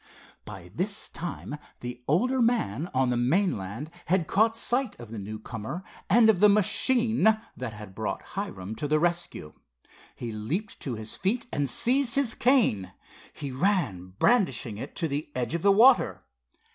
By this time the older man, on the mainland, had caught sight of the newcomer and of the machine that had brought Hiram to the rescue. He leaped to his feet, and seized his cane. He ran, brandishing it, to the edge of the water.